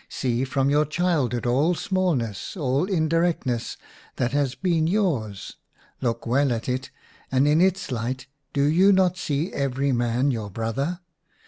See from your child hood all smallness, all indirectness that has been yours ; look well at it, and in its light do you not see every man your brother